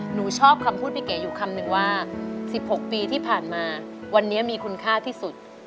หนูชอบคำพูดพี่เก๋อยู่คำนึงว่า๑๖ปีที่ผ่านมาวันนี้มีคุณค่าที่สุด